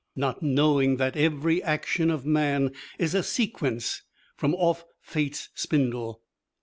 not knowing that every action of man is a sequence from off Fate's spindle.